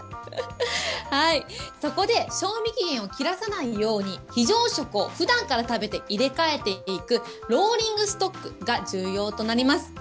そこで、賞味期限を切らさないように、非常食をふだんから食べて入れ替えていく、ローリングストックが重要となります。